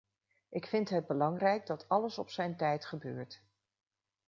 Ik vind het belangrijk dat alles op zijn tijd gebeurt.